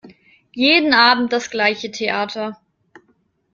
Jeden Abend das gleiche Theater!